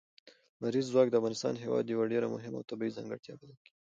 لمریز ځواک د افغانستان هېواد یوه ډېره مهمه طبیعي ځانګړتیا بلل کېږي.